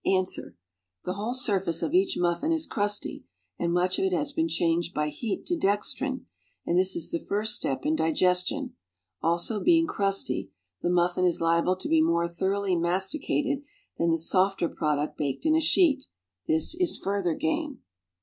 Ans. The wliole surface of each muffin is crusty, and much of it has been changed by heat to dextrin, and this is the first step in digestion; also being crusty, the muffin is liable to be more thoroughly masticated than the softer ])rodnct baked in a sheet; this is further gain.